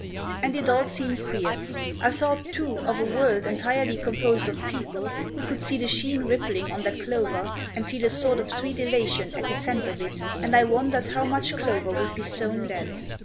And it all seemed queer. I thought, too, of a world entirely composed of people who could see the sheen rippling on that clover, and feel a sort of sweet elation at the scent of it, and I wondered how much clover would be sown then?